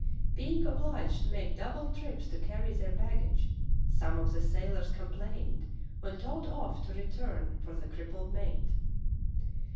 Being obliged to make double trips to carry their baggage, some of the sailors com plained when told off to return for the crippled mate.